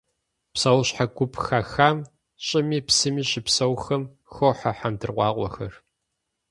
Псэущхьэ гуп хэхам, щӏыми псыми щыпсэухэм, хохьэ хьэндыркъуакъуэхэр.